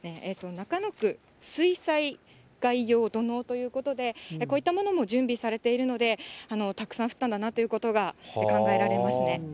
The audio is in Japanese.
中野区水災害用土のうということで、こういったものも準備されているので、たくさん降ったんだなということが考えられますね。